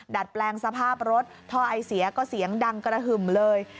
ดัดแปลงสภาพรถท่อไอเสียก็เสียงดังกระหึ่มเลย